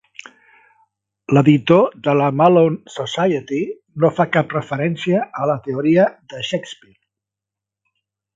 L'editor de la Malone Society no fa cap referència a la teoria de Shakespeare.